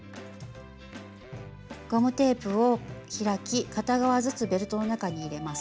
ゴムテープを開き片側ずつベルトの中に入れます。